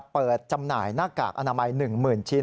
จำหน่ายหน้ากากอนามัย๑๐๐๐ชิ้น